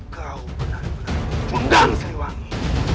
kau benar benar menggangg seriwangi